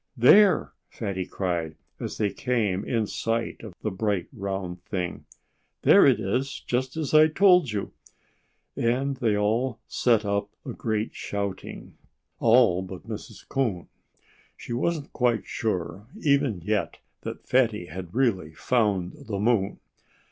"There!" Fatty cried, as they came in sight of the bright, round thing. "There it is just as I told you!" And they all set up a great shouting. All but Mrs. Coon. She wasn't quite sure, even yet, that Fatty had really found the moon.